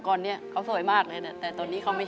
ก่อนเนี่ยเขาสวยมากเลยเนี่ยแต่ตอนนี้เขาไม่